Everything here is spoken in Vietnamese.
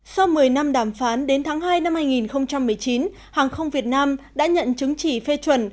sau một mươi năm đàm phán đến tháng hai năm hai nghìn một mươi chín hàng không việt nam đã nhận chứng chỉ phê chuẩn